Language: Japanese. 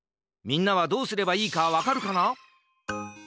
みんなはどうすればいいかわかるかな？